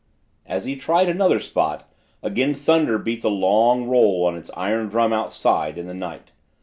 As he tried another spot, again thunder beat the long roll on its iron drum outside, in the night.